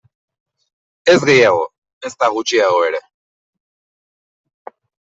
Ez gehiago, ezta gutxiago ere.